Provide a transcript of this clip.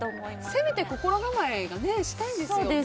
せめて心構えしたいですよね。